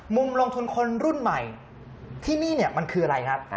มุมลงทุนคนรุ่นใหม่ที่นี่เนี่ยมันคืออะไรครับ